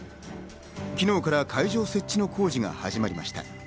昨日から会場設置の工事が始まりました。